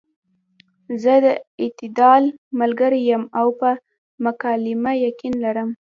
زۀ د اعتدال ملګرے يم او پۀ مکالمه يقين لرم -